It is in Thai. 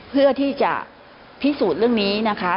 เพื่อที่จะพิสูจน์เรื่องนี้นะคะ